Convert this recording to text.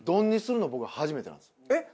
えっ！